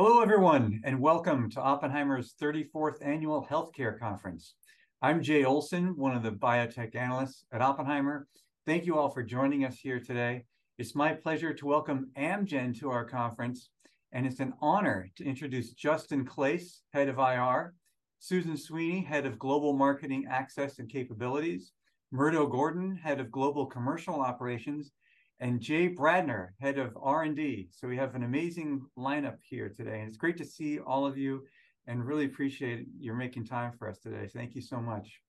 Hello everyone, and welcome to Oppenheimer's 34th Annual Healthcare Conference. I'm Jay Olson, one of the biotech analysts at Oppenheimer. Thank you all for joining us here today. It's my pleasure to welcome Amgen to our conference, and it's an honor to introduce Justin Claeys, Head of IR; Susan Sweeney, Head of Global Marketing, Access, and Capabilities; Murdo Gordon, Head of Global Commercial Operations; and Jay Bradner, Head of R&D. So we have an amazing lineup here today, and it's great to see all of you, and really appreciate your making time for us today. Thank you so much.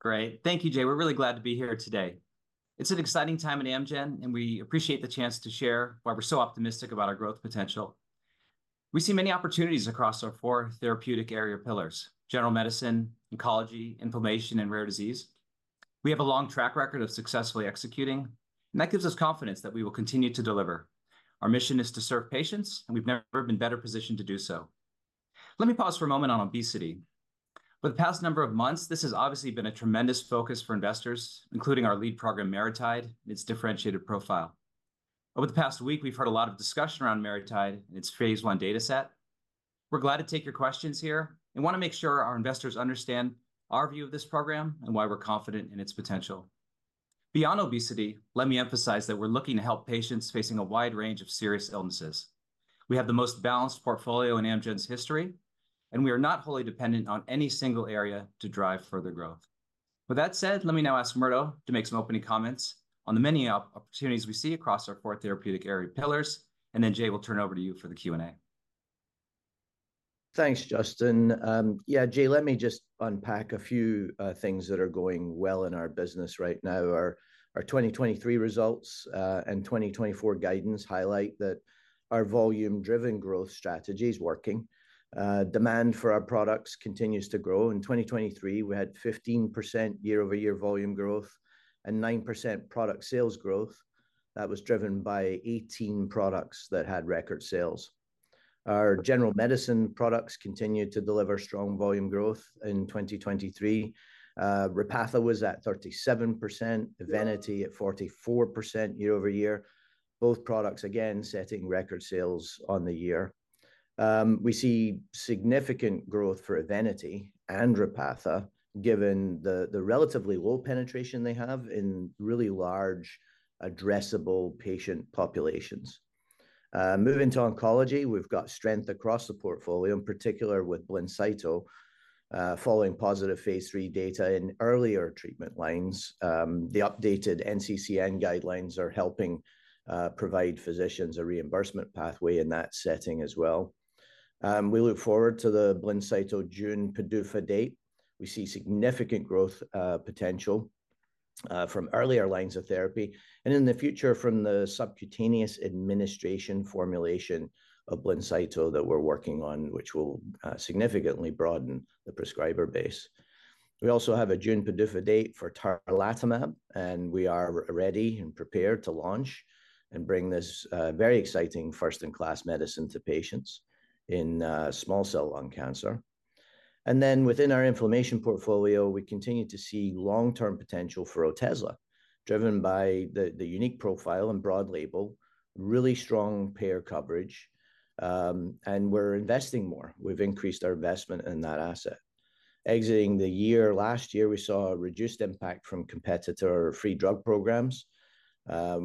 Great. Thank you, Jay. We're really glad to be here today. It's an exciting time at Amgen, and we appreciate the chance to share why we're so optimistic about our growth potential. We see many opportunities across our four therapeutic area pillars: general medicine, oncology, inflammation, and rare disease. We have a long track record of successfully executing, and that gives us confidence that we will continue to deliver. Our mission is to serve patients, and we've never been better positioned to do so. Let me pause for a moment on obesity. Over the past number of months, this has obviously been a tremendous focus for investors, including our lead program, MariTide, and its differentiated profile. Over the past week, we've heard a lot of discussion around MariTide and its phase 1 data set. We're glad to take your questions here and want to make sure our investors understand our view of this program and why we're confident in its potential. Beyond obesity, let me emphasize that we're looking to help patients facing a wide range of serious illnesses. We have the most balanced portfolio in Amgen's history, and we are not wholly dependent on any single area to drive further growth. With that said, let me now ask Murdo to make some opening comments on the many opportunities we see across our four therapeutic area pillars, and then Jay will turn over to you for the Q&A. Thanks, Justin. Yeah, Jay, let me just unpack a few things that are going well in our business right now. Our 2023 results and 2024 guidance highlight that our volume-driven growth strategy is working. Demand for our products continues to grow. In 2023, we had 15% year-over-year volume growth and 9% product sales growth. That was driven by 18 products that had record sales. Our general medicine products continue to deliver strong volume growth in 2023. Repatha was at 37%, Evenity at 44% year-over-year. Both products, again, setting record sales on the year. We see significant growth for Evenity and Repatha, given the relatively low penetration they have in really large, addressable patient populations. Moving to oncology, we've got strength across the portfolio, in particular with Blincyto, following positive phase 3 data in earlier treatment lines. The updated NCCN guidelines are helping provide physicians a reimbursement pathway in that setting as well. We look forward to the Blincyto June PDUFA date. We see significant growth potential from earlier lines of therapy, and in the future, from the subcutaneous administration formulation of Blincyto, which we're working on, which will significantly broaden the prescriber base. We also have a June PDUFA date for Tarlatamab, and we are ready and prepared to launch and bring this very exciting first-in-class medicine to patients in small cell lung cancer. And then within our inflammation portfolio, we continue to see long-term potential for Otezla, driven by the unique profile and broad label, really strong payer coverage, and we're investing more. We've increased our investment in that asset. Exiting the year, last year we saw a reduced impact from competitor free drug programs.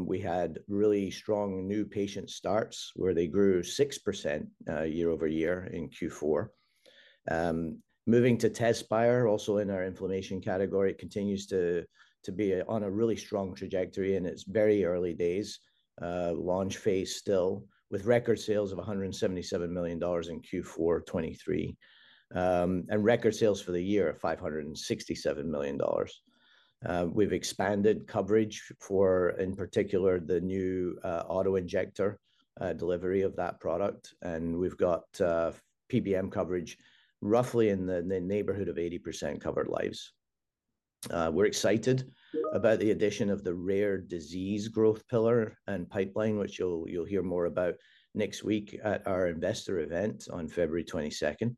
We had really strong new patient starts where they grew 6% year-over-year in Q4. Moving to TEZSPIRE, also in our inflammation category, it continues to be on a really strong trajectory in its very early days, launch phase still, with record sales of $177 million in Q4 2023 and record sales for the year of $567 million. We've expanded coverage for, in particular, the new autoinjector delivery of that product, and we've got PBM coverage roughly in the neighborhood of 80% covered lives. We're excited about the addition of the rare disease growth pillar and pipeline, which you'll hear more about next week at our investor event on February 22nd.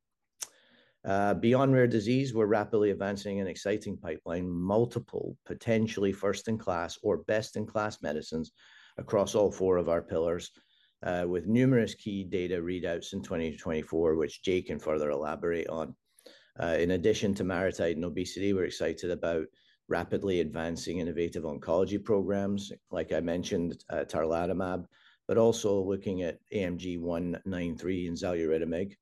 Beyond rare disease, we're rapidly advancing an exciting pipeline, multiple potentially first-in-class or best-in-class medicines across all four of our pillars, with numerous key data readouts in 2024, which Jay can further elaborate on. In addition to MariTide and obesity, we're excited about rapidly advancing innovative oncology programs, like I mentioned, Tarlatamab, but also looking at AMG 193 and Xaluritamig.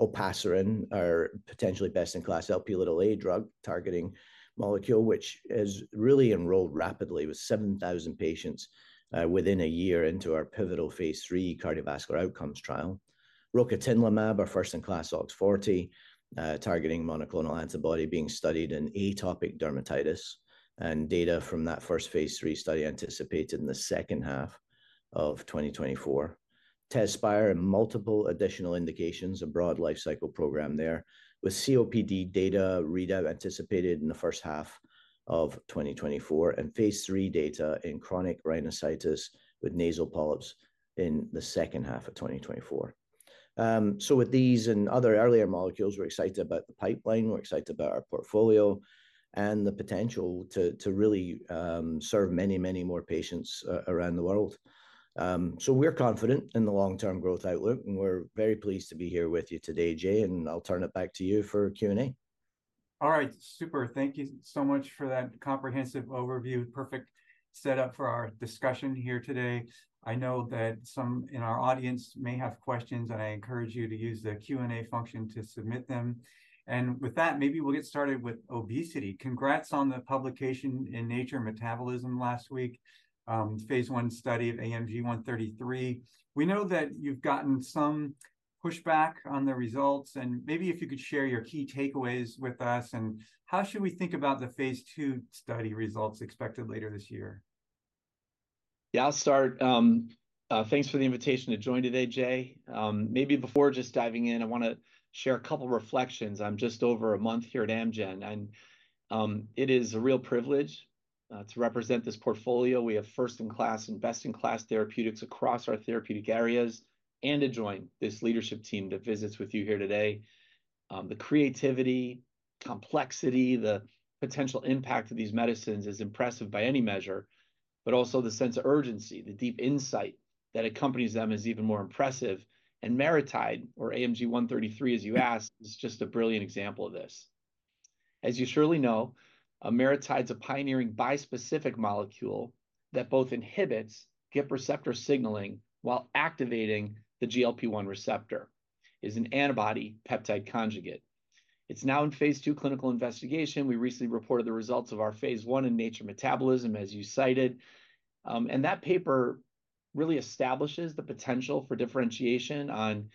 Olpasiran, our potentially best-in-class Lp(a) drug targeting molecule, which has really enrolled rapidly with 7,000 patients within a year into our pivotal phase 3 cardiovascular outcomes trial. Rocatinlimab, our first-in-class OX40-targeting monoclonal antibody, being studied in atopic dermatitis, and data from that first phase 3 study anticipated in the second half of 2024. TEZSPIRE and multiple additional indications, a broad lifecycle program there, with COPD data readout anticipated in the first half of 2024 and phase 3 data in chronic rhinosinusitis with nasal polyps in the second half of 2024. So with these and other earlier molecules, we're excited about the pipeline. We're excited about our portfolio and the potential to really serve many, many more patients around the world. We're confident in the long-term growth outlook, and we're very pleased to be here with you today, Jay, and I'll turn it back to you for Q&A. All right. Super. Thank you so much for that comprehensive overview. Perfect setup for our discussion here today. I know that some in our audience may have questions, and I encourage you to use the Q&A function to submit them. With that, maybe we'll get started with obesity. Congrats on the publication in Nature Metabolism last week, phase 1 study of AMG 133. We know that you've gotten some pushback on the results, and maybe if you could share your key takeaways with us, and how should we think about the phase 2 study results expected later this year? Yeah, I'll start. Thanks for the invitation to join today, Jay. Maybe before just diving in, I want to share a couple of reflections. I'm just over a month here at Amgen, and it is a real privilege to represent this portfolio. We have first-in-class and best-in-class therapeutics across our therapeutic areas and to join this leadership team that visits with you here today. The creativity, complexity, the potential impact of these medicines is impressive by any measure, but also the sense of urgency, the deep insight that accompanies them is even more impressive. And MariTide, or AMG 133, as you asked, is just a brilliant example of this. As you surely know, MariTide is a pioneering bispecific molecule that both inhibits GIP receptor signaling while activating the GLP-1 receptor, is an antibody-peptide conjugate. It's now in phase 2 clinical investigation. We recently reported the results of our phase 1 in Nature Metabolism, as you cited. That paper really establishes the potential for differentiation on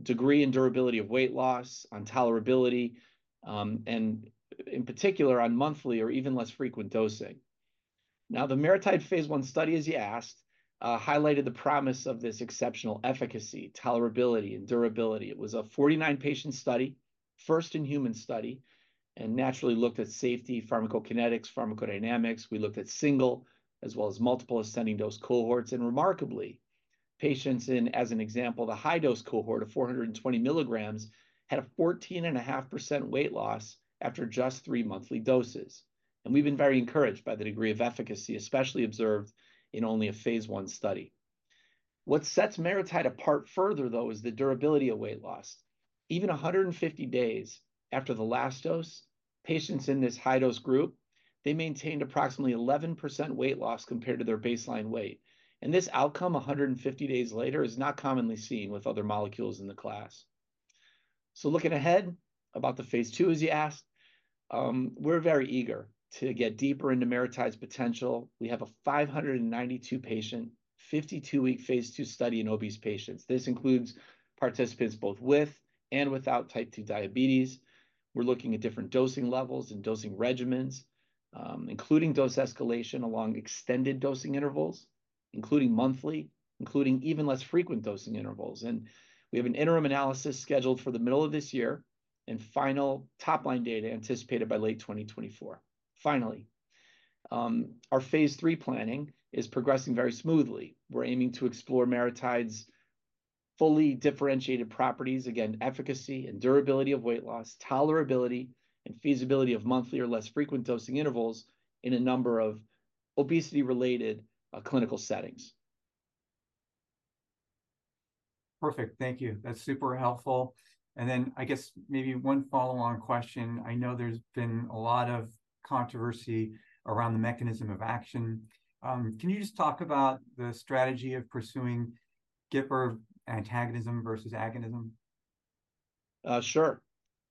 degree and durability of weight loss, on tolerability, and in particular, on monthly or even less frequent dosing. Now, the MariTide phase 1 study, as you asked, highlighted the promise of this exceptional efficacy, tolerability, and durability. It was a 49-patient study, first-in-human study, and naturally looked at safety, pharmacokinetics, pharmacodynamics. We looked at single as well as multiple ascending dose cohorts, and remarkably, patients in, as an example, the high-dose cohort of 420 milligrams had a 14.5% weight loss after just three monthly doses. We've been very encouraged by the degree of efficacy, especially observed in only a phase 1 study. What sets MariTide apart further, though, is the durability of weight loss. Even 150 days after the last dose, patients in this high-dose group, they maintained approximately 11% weight loss compared to their baseline weight. This outcome, 150 days later, is not commonly seen with other molecules in the class. Looking ahead about the Phase Two, as you asked, we're very eager to get deeper into MariTide's potential. We have a 592-patient, 52-week Phase Two study in obese patients. This includes participants both with and without type 2 diabetes. We're looking at different dosing levels and dosing regimens, including dose escalation along extended dosing intervals, including monthly, including even less frequent dosing intervals. And we have an interim analysis scheduled for the middle of this year and final top-line data anticipated by late 2024, finally. Our Phase Three planning is progressing very smoothly. We're aiming to explore MariTide's fully differentiated properties, again, efficacy and durability of weight loss, tolerability, and feasibility of monthly or less frequent dosing intervals in a number of obesity-related clinical settings. Perfect. Thank you. That's super helpful. And then I guess maybe one follow-on question. I know there's been a lot of controversy around the mechanism of action. Can you just talk about the strategy of pursuing GIPR antagonism versus agonism? Sure.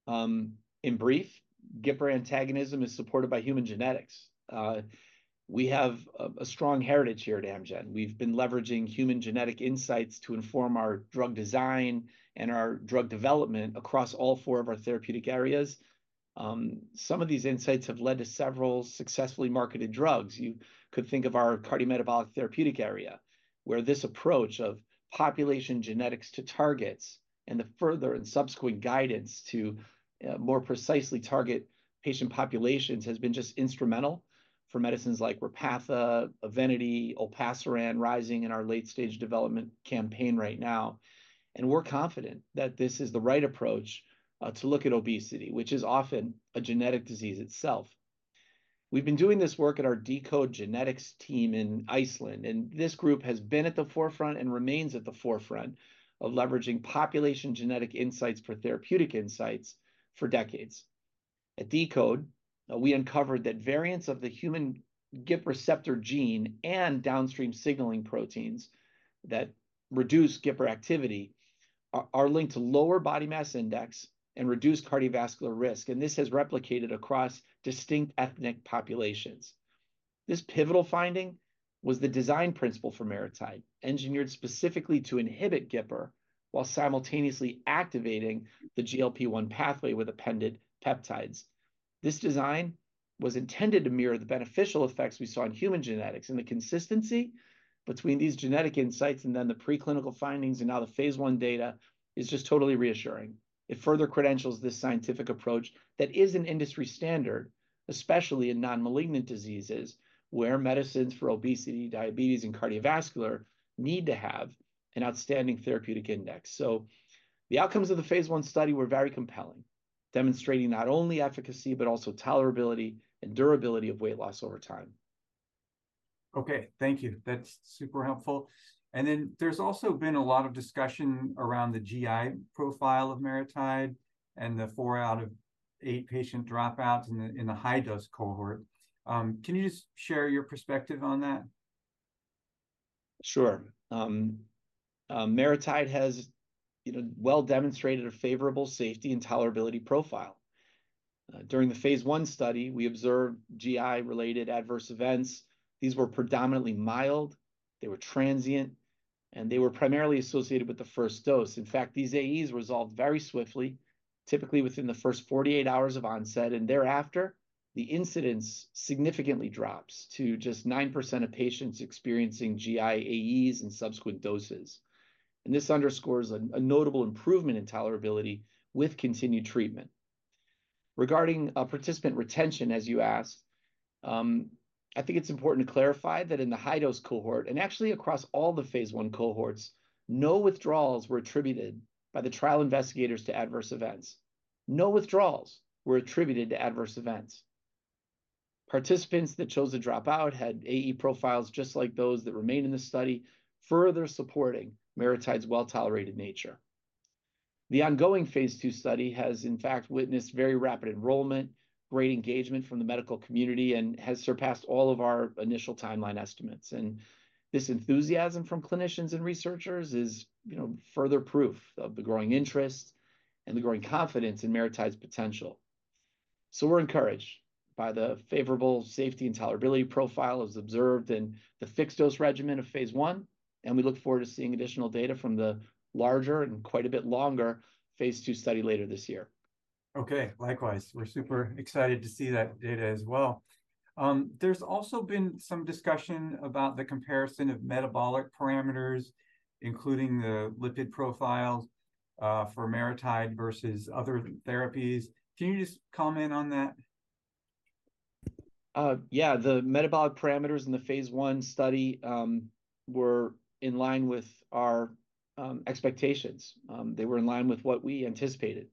In brief, GIPR antagonism is supported by human genetics. We have a strong heritage here at Amgen. We've been leveraging human genetic insights to inform our drug design and our drug development across all four of our therapeutic areas. Some of these insights have led to several successfully marketed drugs. You could think of our cardiometabolic therapeutic area, where this approach of population genetics to targets and the further and subsequent guidance to more precisely target patient populations has been just instrumental for medicines like Repatha, Evenity, Olpasiran, rising in our late-stage development campaign right now. And we're confident that this is the right approach to look at obesity, which is often a genetic disease itself. We've been doing this work at our deCODE Genetics team in Iceland, and this group has been at the forefront and remains at the forefront of leveraging population genetic insights for therapeutic insights for decades. At deCODE, we uncovered that variants of the human GIP receptor gene and downstream signaling proteins that reduce GIPR activity are linked to lower body mass index and reduced cardiovascular risk, and this has replicated across distinct ethnic populations. This pivotal finding was the design principle for MariTide, engineered specifically to inhibit GIPR while simultaneously activating the GLP-1 pathway with appended peptides. This design was intended to mirror the beneficial effects we saw in human genetics, and the consistency between these genetic insights and then the preclinical findings and now the phase 1 data is just totally reassuring. It further credentials this scientific approach that is an industry standard, especially in non-malignant diseases, where medicines for obesity, diabetes, and cardiovascular need to have an outstanding therapeutic index. The outcomes of the phase 1 study were very compelling, demonstrating not only efficacy but also tolerability and durability of weight loss over time. Okay, thank you. That's super helpful. And then there's also been a lot of discussion around the GI profile of MariTide and the 4 out of 8 patient dropouts in the high-dose cohort. Can you just share your perspective on that? Sure. MariTide has well demonstrated a favorable safety and tolerability profile. During the phase 1 study, we observed GI-related adverse events. These were predominantly mild. They were transient, and they were primarily associated with the first dose. In fact, these AEs resolved very swiftly, typically within the first 48 hours of onset, and thereafter, the incidence significantly drops to just 9% of patients experiencing GI AEs in subsequent doses. And this underscores a notable improvement in tolerability with continued treatment. Regarding participant retention, as you asked, I think it's important to clarify that in the high-dose cohort and actually across all the phase 1 cohorts, no withdrawals were attributed by the trial investigators to adverse events. No withdrawals were attributed to adverse events. Participants that chose to drop out had AE profiles just like those that remain in the study, further supporting MariTide's well-tolerated nature. The ongoing phase 2 study has, in fact, witnessed very rapid enrollment, great engagement from the medical community, and has surpassed all of our initial timeline estimates. This enthusiasm from clinicians and researchers is further proof of the growing interest and the growing confidence in MariTide's potential. We're encouraged by the favorable safety and tolerability profile as observed in the fixed-dose regimen of phase 1, and we look forward to seeing additional data from the larger and quite a bit longer phase 2 study later this year. Okay, likewise. We're super excited to see that data as well. There's also been some discussion about the comparison of metabolic parameters, including the lipid profiles for MariTide versus other therapies. Can you just comment on that? Yeah, the metabolic parameters in the phase 1 study were in line with our expectations. They were in line with what we anticipated.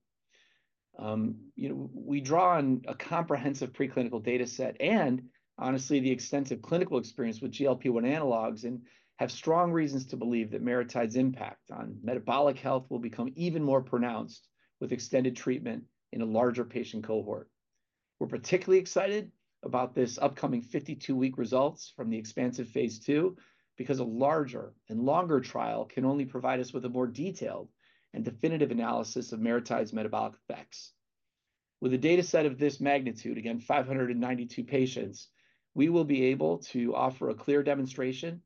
We draw on a comprehensive preclinical data set and, honestly, the extensive clinical experience with GLP-1 analogs and have strong reasons to believe that MariTide's impact on metabolic health will become even more pronounced with extended treatment in a larger patient cohort. We're particularly excited about this upcoming 52-week results from the expansive phase 2 because a larger and longer trial can only provide us with a more detailed and definitive analysis of MariTide's metabolic effects. With a data set of this magnitude, again, 592 patients, we will be able to offer a clear demonstration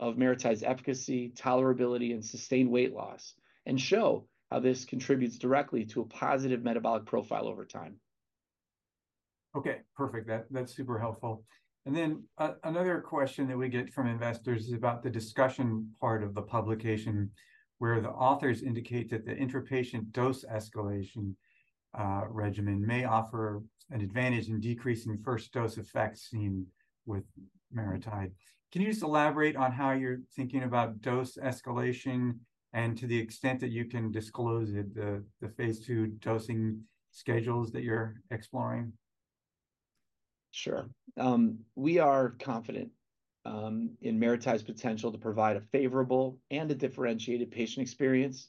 of MariTide's efficacy, tolerability, and sustained weight loss and show how this contributes directly to a positive metabolic profile over time. Okay, perfect. That's super helpful. Then another question that we get from investors is about the discussion part of the publication where the authors indicate that the intrapatient dose escalation regimen may offer an advantage in decreasing first-dose effects seen with MariTide. Can you just elaborate on how you're thinking about dose escalation and to the extent that you can disclose it, the Phase 2 dosing schedules that you're exploring? Sure. We are confident in MariTide's potential to provide a favorable and a differentiated patient experience.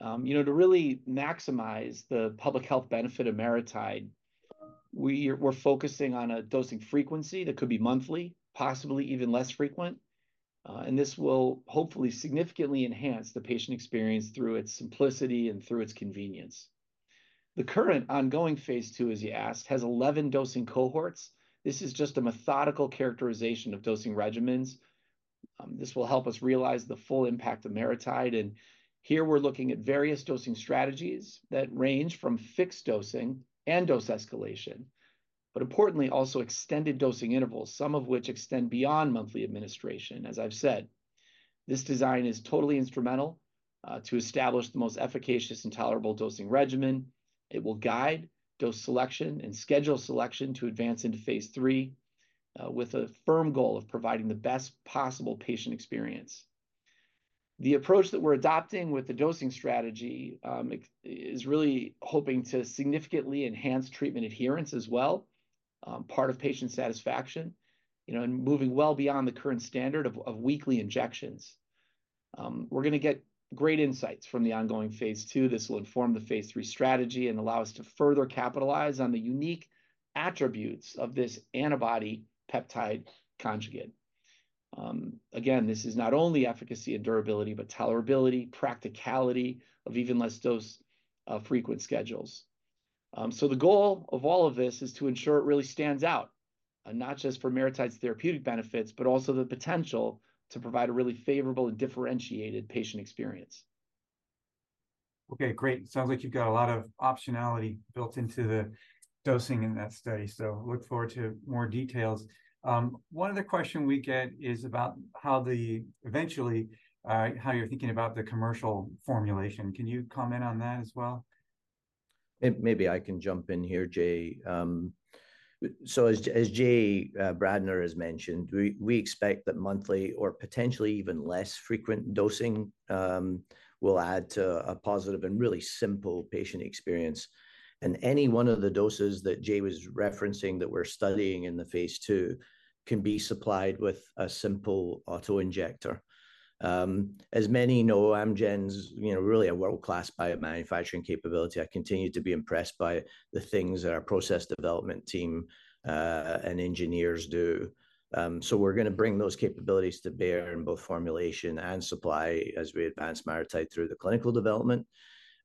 To really maximize the public health benefit of MariTide, we're focusing on a dosing frequency that could be monthly, possibly even less frequent. And this will hopefully significantly enhance the patient experience through its simplicity and through its convenience. The current ongoing Phase 2, as you asked, has 11 dosing cohorts. This is just a methodical characterization of dosing regimens. This will help us realize the full impact of MariTide. And here we're looking at various dosing strategies that range from fixed dosing and dose escalation, but importantly, also extended dosing intervals, some of which extend beyond monthly administration, as I've said. This design is totally instrumental to establish the most efficacious and tolerable dosing regimen. It will guide dose selection and schedule selection to advance into Phase 3 with a firm goal of providing the best possible patient experience. The approach that we're adopting with the dosing strategy is really hoping to significantly enhance treatment adherence as well, part of patient satisfaction, and moving well beyond the current standard of weekly injections. We're going to get great insights from the ongoing Phase 2. This will inform the Phase 3 strategy and allow us to further capitalize on the unique attributes of this antibody-peptide conjugate. Again, this is not only efficacy and durability, but tolerability, practicality of even less dose frequent schedules. The goal of all of this is to ensure it really stands out, not just for MariTide's therapeutic benefits, but also the potential to provide a really favorable and differentiated patient experience. Okay, great. Sounds like you've got a lot of optionality built into the dosing in that study, so look forward to more details. One other question we get is about how eventually you're thinking about the commercial formulation. Can you comment on that as well? Maybe I can jump in here, Jay. So as Jay Bradner has mentioned, we expect that monthly or potentially even less frequent dosing will add to a positive and really simple patient experience. Any one of the doses that Jay was referencing that we're studying in the Phase 2 can be supplied with a simple autoinjector. As many know, Amgen's really a world-class biomanufacturing capability. I continue to be impressed by the things that our process development team and engineers do. So we're going to bring those capabilities to bear in both formulation and supply as we advance MariTide through the clinical development.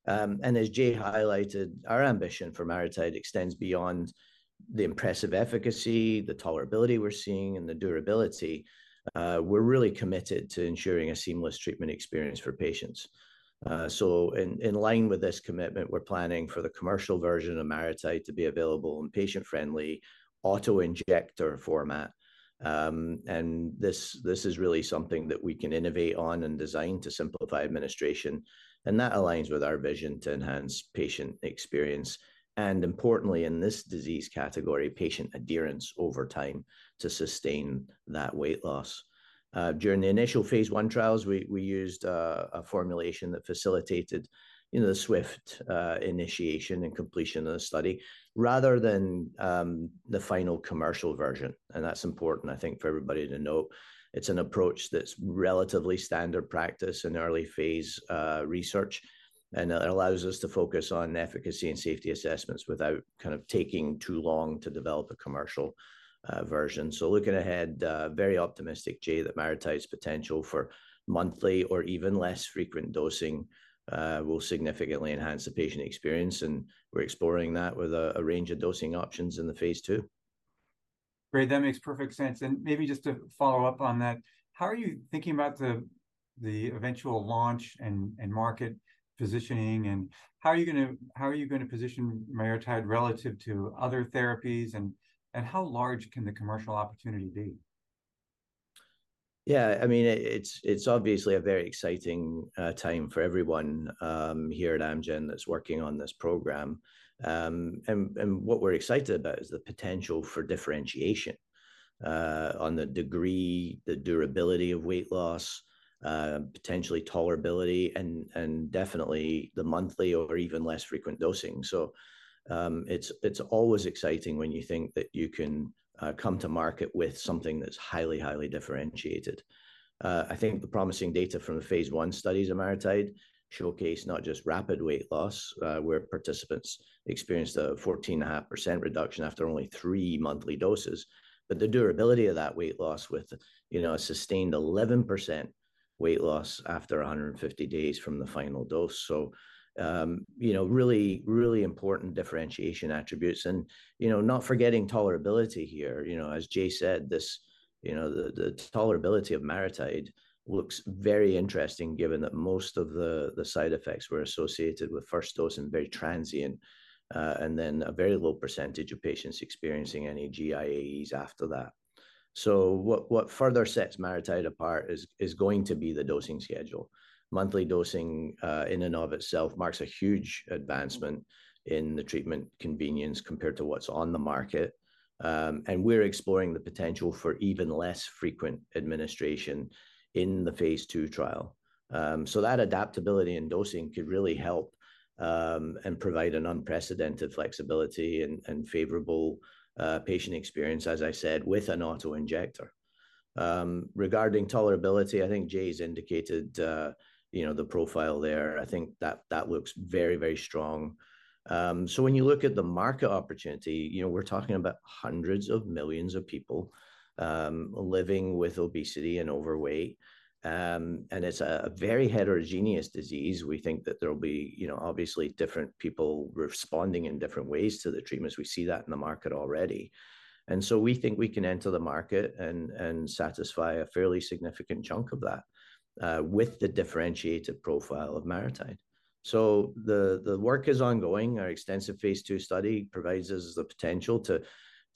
As Jay highlighted, our ambition for MariTide extends beyond the impressive efficacy, the tolerability we're seeing, and the durability. We're really committed to ensuring a seamless treatment experience for patients. In line with this commitment, we're planning for the commercial version of MariTide to be available in patient-friendly autoinjector format. And this is really something that we can innovate on and design to simplify administration. And that aligns with our vision to enhance patient experience and, importantly, in this disease category, patient adherence over time to sustain that weight loss. During the initial Phase 1 trials, we used a formulation that facilitated the swift initiation and completion of the study rather than the final commercial version. And that's important, I think, for everybody to note. It's an approach that's relatively standard practice in early-phase research, and it allows us to focus on efficacy and safety assessments without kind of taking too long to develop a commercial version. Looking ahead, very optimistic, Jay, that MariTide's potential for monthly or even less frequent dosing will significantly enhance the patient experience, and we're exploring that with a range of dosing options in the Phase 2. Great. That makes perfect sense. Maybe just to follow up on that, how are you thinking about the eventual launch and market positioning? How are you going to position MariTide relative to other therapies? How large can the commercial opportunity be? Yeah, I mean, it's obviously a very exciting time for everyone here at Amgen that's working on this program. And what we're excited about is the potential for differentiation on the degree, the durability of weight loss, potentially tolerability, and definitely the monthly or even less frequent dosing. So it's always exciting when you think that you can come to market with something that's highly, highly differentiated. I think the promising data from the Phase 1 studies of MariTide showcase not just rapid weight loss, where participants experienced a 14.5% reduction after only three monthly doses, but the durability of that weight loss with a sustained 11% weight loss after 150 days from the final dose. So really, really important differentiation attributes. And not forgetting tolerability here. As Jay said, the tolerability of MariTide looks very interesting given that most of the side effects were associated with first dose and very transient, and then a very low percentage of patients experiencing any GI AEs after that. So what further sets MariTide apart is going to be the dosing schedule. Monthly dosing in and of itself marks a huge advancement in the treatment convenience compared to what's on the market. And we're exploring the potential for even less frequent administration in the Phase 2 trial. So that adaptability in dosing could really help and provide an unprecedented flexibility and favorable patient experience, as I said, with an autoinjector. Regarding tolerability, I think Jay's indicated the profile there. I think that looks very, very strong. So when you look at the market opportunity, we're talking about hundreds of millions of people living with obesity and overweight. It's a very heterogeneous disease. We think that there'll be obviously different people responding in different ways to the treatments. We see that in the market already. We think we can enter the market and satisfy a fairly significant chunk of that with the differentiated profile of MariTide. The work is ongoing. Our extensive Phase 2 study provides us the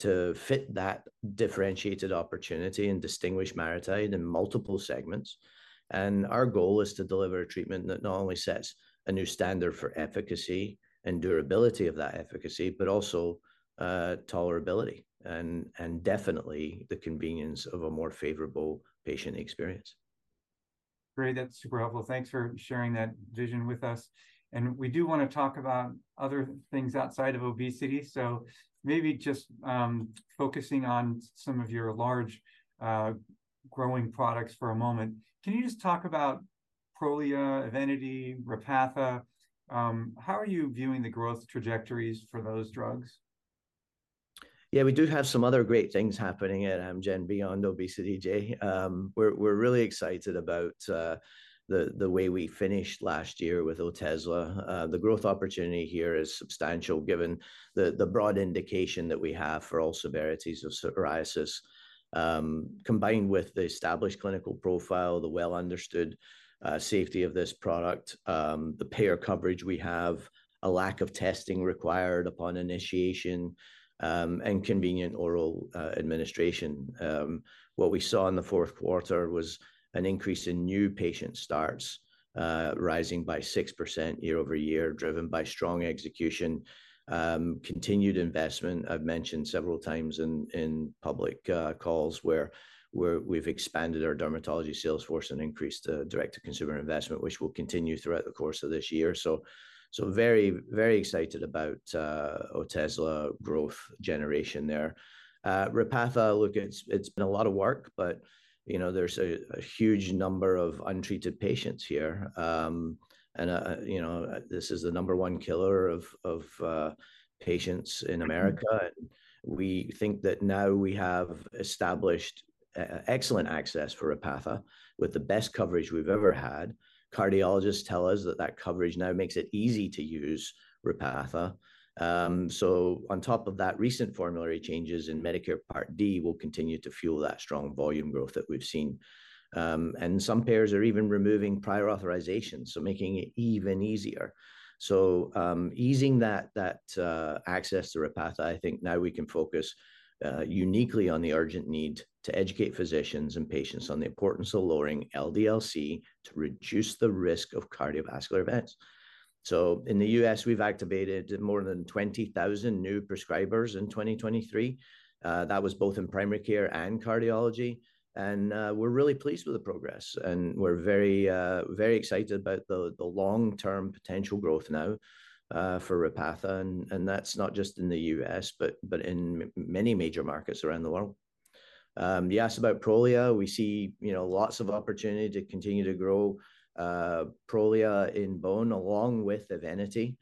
potential to fit that differentiated opportunity and distinguish MariTide in multiple segments. Our goal is to deliver a treatment that not only sets a new standard for efficacy and durability of that efficacy, but also tolerability and definitely the convenience of a more favorable patient experience. Great. That's super helpful. Thanks for sharing that vision with us. We do want to talk about other things outside of obesity. Maybe just focusing on some of your large growing products for a moment, can you just talk about Prolia, Evenity, Repatha? How are you viewing the growth trajectories for those drugs? Yeah, we do have some other great things happening at Amgen beyond obesity, Jay. We're really excited about the way we finished last year with Otezla. The growth opportunity here is substantial given the broad indication that we have for all severities of psoriasis, combined with the established clinical profile, the well-understood safety of this product, the payer coverage we have, a lack of testing required upon initiation, and convenient oral administration. What we saw in the fourth quarter was an increase in new patient starts, rising by 6% year-over-year, driven by strong execution, continued investment. I've mentioned several times in public calls where we've expanded our dermatology sales force and increased the direct-to-consumer investment, which will continue throughout the course of this year. So very, very excited about Otezla growth generation there. Repatha, look, it's been a lot of work, but there's a huge number of untreated patients here. This is the number one killer of patients in America. We think that now we have established excellent access for Repatha with the best coverage we've ever had. Cardiologists tell us that that coverage now makes it easy to use Repatha. On top of that, recent formulary changes in Medicare Part D will continue to fuel that strong volume growth that we've seen. Some payers are even removing prior authorizations, so making it even easier. Easing that access to Repatha, I think now we can focus uniquely on the urgent need to educate physicians and patients on the importance of lowering LDL-C to reduce the risk of cardiovascular events. In the U.S., we've activated more than 20,000 new prescribers in 2023. That was both in primary care and cardiology. We're really pleased with the progress. We're very excited about the long-term potential growth now for Repatha. That's not just in the U.S., but in many major markets around the world. You asked about Prolia. We see lots of opportunity to continue to grow Prolia in bone along with Evenity.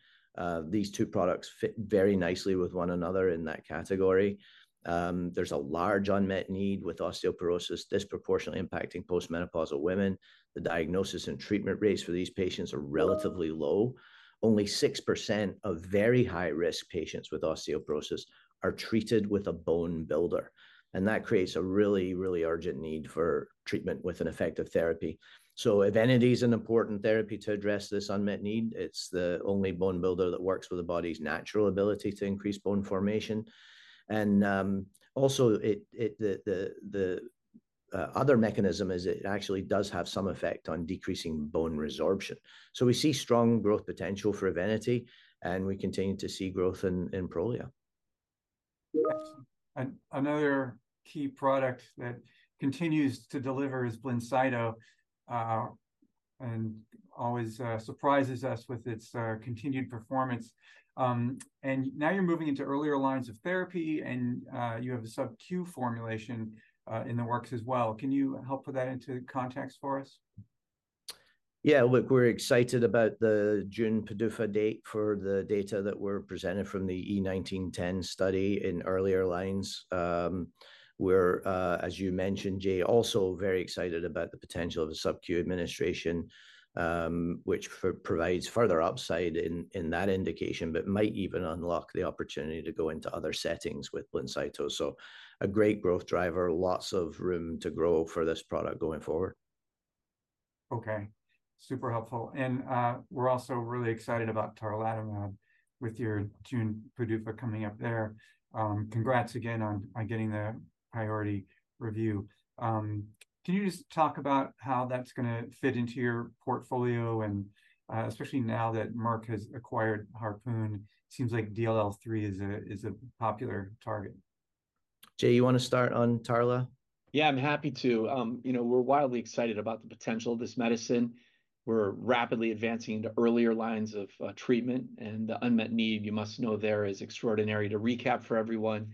These two products fit very nicely with one another in that category. There's a large unmet need with osteoporosis disproportionately impacting postmenopausal women. The diagnosis and treatment rates for these patients are relatively low. Only 6% of very high-risk patients with osteoporosis are treated with a bone builder. That creates a really, really urgent need for treatment with an effective therapy. So Evenity is an important therapy to address this unmet need. It's the only bone builder that works with the body's natural ability to increase bone formation. Also, the other mechanism is it actually does have some effect on decreasing bone resorption. We see strong growth potential for Evenity, and we continue to see growth in Prolia. Another key product that continues to deliver is Blincyto, and always surprises us with its continued performance. And now you're moving into earlier lines of therapy, and you have a sub-Q formulation in the works as well. Can you help put that into context for us? Yeah, look, we're excited about the June PDUFA date for the data that were presented from the E1910 study in earlier lines. We're, as you mentioned, Jay, also very excited about the potential of a sub-Q administration, which provides further upside in that indication, but might even unlock the opportunity to go into other settings with Blincyto. So a great growth driver, lots of room to grow for this product going forward. Okay, super helpful. We're also really excited about Tarlatamab with your June PDUFA coming up there. Congrats again on getting the priority review. Can you just talk about how that's going to fit into your portfolio, and especially now that Merck has acquired Harpoon? It seems like DLL3 is a popular target. Jay, you want to start on Tarla? Yeah, I'm happy to. We're wildly excited about the potential of this medicine. We're rapidly advancing into earlier lines of treatment, and the unmet need, you must know there is extraordinary to recap for everyone.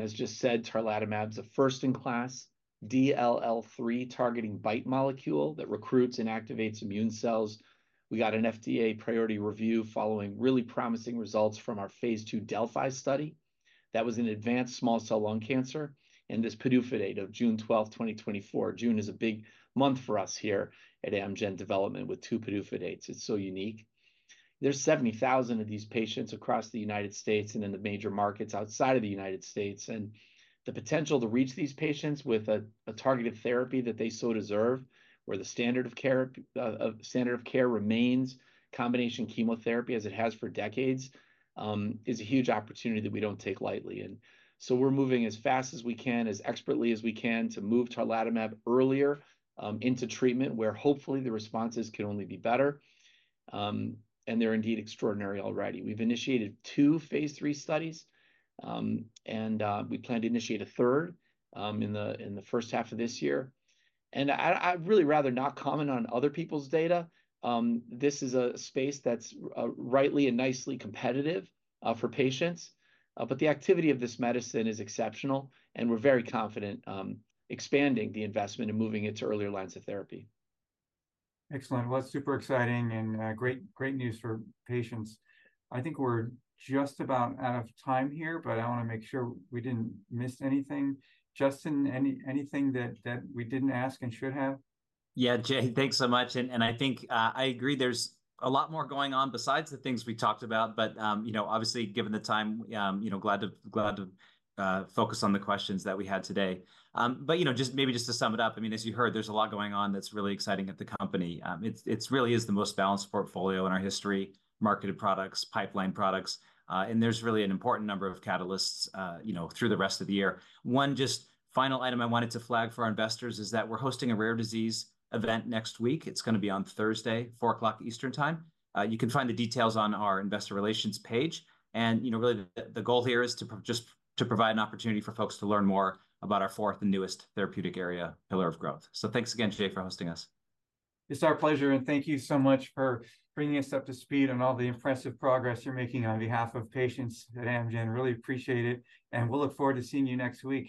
As just said, Tarlatamab is a first-in-class DLL3 targeting BiTE molecule that recruits and activates immune cells. We got an FDA priority review following really promising results from our Phase 2 DeLLphi study. That was an advanced small-cell lung cancer. And this PDUFA date of June 12, 2024, June is a big month for us here at Amgen development with two PDUFA dates. It's so unique. There's 70,000 of these patients across the United States and in the major markets outside of the United States. And the potential to reach these patients with a targeted therapy that they so deserve, where the standard of care of standard of care remains, combination chemotherapy as it has for decades, is a huge opportunity that we don't take lightly. And so we're moving as fast as we can, as expertly as we can to move Tarlatamab earlier into treatment, where hopefully the responses can only be better. And they're indeed extraordinary already. We've initiated two Phase 3 studies, and we plan to initiate a third in the first half of this year. And I'd really rather not comment on other people's data. This is a space that's rightly and nicely competitive for patients. But the activity of this medicine is exceptional, and we're very confident expanding the investment and moving it to earlier lines of therapy. Excellent. Well, that's super exciting and great news for patients. I think we're just about out of time here, but I want to make sure we didn't miss anything. Justin, anything that we didn't ask and should have? Yeah, Jay, thanks so much. I think I agree there's a lot more going on besides the things we talked about. But obviously, given the time, glad to focus on the questions that we had today. But just maybe just to sum it up, I mean, as you heard, there's a lot going on that's really exciting at the company. It really is the most balanced portfolio in our history, marketed products, pipeline products. And there's really an important number of catalysts through the rest of the year. One just final item I wanted to flag for our investors is that we're hosting a rare disease event next week. It's going to be on Thursday, 4:00 P.M. Eastern Time. You can find the details on our investor relations page. Really, the goal here is to just provide an opportunity for folks to learn more about our fourth and newest therapeutic area pillar of growth. Thanks again, Jay, for hosting us. It's our pleasure. Thank you so much for bringing us up to speed on all the impressive progress you're making on behalf of patients at Amgen. Really appreciate it. We'll look forward to seeing you next week.